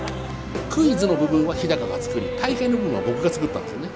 クイズの部分は日が作り大会の部分は僕が作ったんですよね。